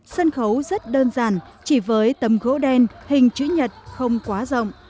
sân khấu rất đơn giản chỉ với tầm gỗ đen hình chữ nhật không quá rộng